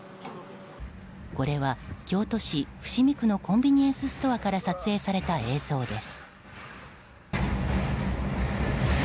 これは京都市伏見区のコンビニエンスストアから撮影された映像です。